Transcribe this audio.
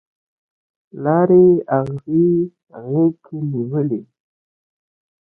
لارې اغزي غیږ کې نیولي